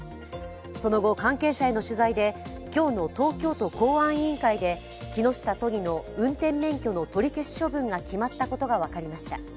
その後、関係者への取材で今日の東京都公安委員会で木下都議の運転免許の取り消し処分が決まったことが分かりました。